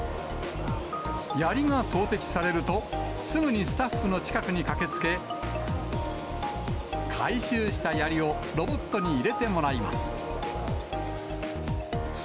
やりが投てきされると、すぐにスタッフの近くに駆けつけ、回収したやりをロボットに入れてもらいます。